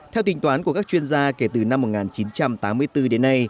theo tính toán của các chuyên gia kể từ năm một nghìn chín trăm tám mươi bốn đến nay